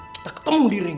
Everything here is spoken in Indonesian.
kita ketemu di ring